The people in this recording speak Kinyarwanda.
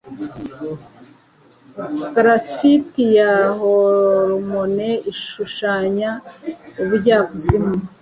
graffiti ya hormone ishushanya ubujyakuzimu